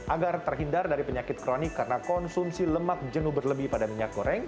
agar terhindar dari penyakit kronik karena konsumsi lemak jenuh berlebih pada minyak goreng